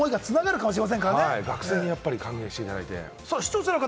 学生に還元していただいて。